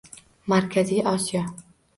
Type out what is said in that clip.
Markaziy Osiyo